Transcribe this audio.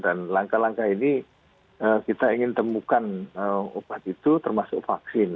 dan langkah langkah ini kita ingin temukan obat itu termasuk vaksin